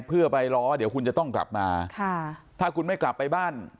เพื่อไปล้อเดี๋ยวคุณจะต้องกลับมาค่ะถ้าคุณไม่กลับไปบ้าน